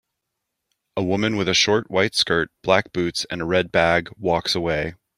A woman with a short, white skirt, black boots and a red bag walks away.